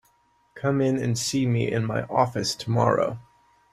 Come in and see me in my office tomorrow.